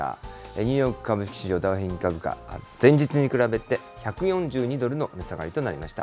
ニューヨーク株式市場、ダウ平均株価、前日に比べて１４２ドルの値下がりとしました。